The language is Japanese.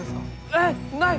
えっない！？